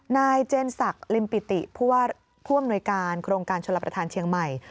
นายเจนสักริมปิติผู้ว่าผู้อำนวยการโครงการชนรับประทานเชียงใหม่